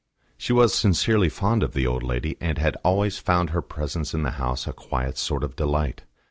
She was sincerely fond of the old lady, and had always found her presence in the house a quiet sort of delight.